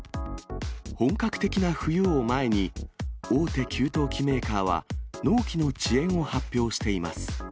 本格的な冬を前に、大手給湯器メーカーは、納期の遅延を発表しています。